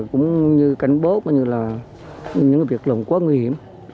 cũng như cảnh báo cũng như là những việc lùng quá nguy hiểm